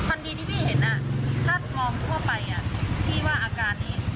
ทันทีที่พี่เห็นถ้ามองทั่วไปพี่ว่าอาการนี้